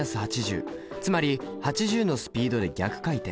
つまり８０のスピードで逆回転。